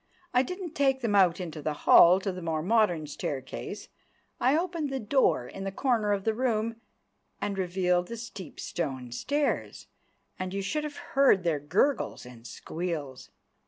I didn't take them out into the hall to the more modern staircase, I opened the door in the corner of the room, and revealed the steep stone stairs; and you should have heard their gurgles and squeals.